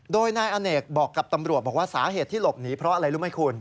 โดยนายอเนกบอกกับตำรวจบอกว่าสาเหตุที่หลบหนีเพราะอะไรรู้ไหมคุณ